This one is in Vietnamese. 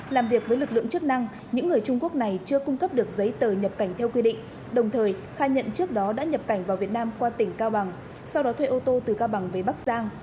làm việc với lực lượng chức năng những người trung quốc này chưa cung cấp được giấy tờ nhập cảnh theo quy định đồng thời khai nhận trước đó đã nhập cảnh vào việt nam qua tỉnh cao bằng sau đó thuê ô tô từ cao bằng về bắc giang